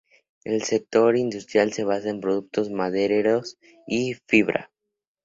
El sector industrial se basa en productos madereros y fibra.